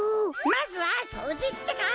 まずはそうじってか。